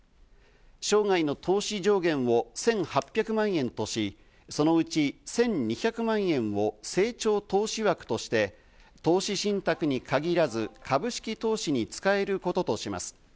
生涯の投資上限を１８００万円とし、そのうち１２００万円を成長投資枠として投資信託に限らず、株式投資に使えることとします。